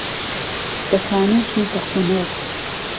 به تانوت و به حونەر